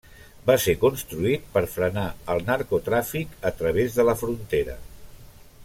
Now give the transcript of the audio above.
Va ser construït per frenar el narcotràfic a través de la frontera.